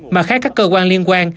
mà khác các cơ quan liên quan